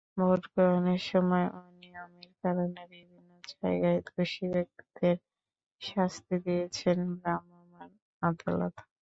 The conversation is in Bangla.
ভোট গ্রহণের সময় অনিয়মের কারণে বিভিন্ন জায়গায় দোষী ব্যক্তিদের শাস্তি দিয়েছেন ভ্রাম্যমাণ আদালত।